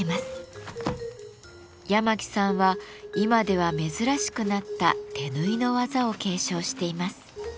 八巻さんは今では珍しくなった手縫いの技を継承しています。